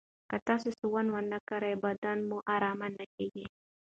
که تاسو سونا ونه کاروئ، بدن مو ارام نه کېږي.